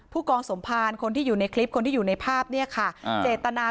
ผู้กองสมภารคนที่อยู่ในคลิปคนที่อยู่ในภาพเนี่ยค่ะเจตนา